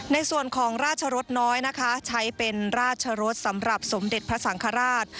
ในส่วนของราชรสน้อยนะคะใช้เป็นราชรสสำหรับสมเด็จพระสังฆราช